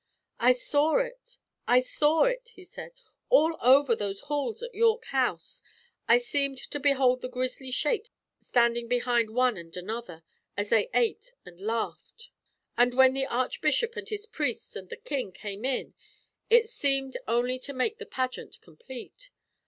"I saw it, I saw it;" he said, "all over those halls at York House. I seemed to behold the grisly shape standing behind one and another, as they ate and laughed; and when the Archbishop and his priests and the King came in it seemed only to make the pageant complete!